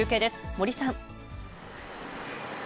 森さん。